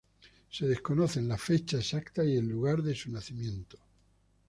Se desconocen la fecha exacta y el lugar de su nacimiento.